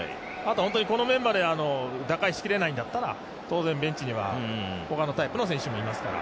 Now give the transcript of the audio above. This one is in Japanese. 本当にこのメンバーで打開しきれないんだったら当然、ベンチにはほかのタイプの選手もいますから。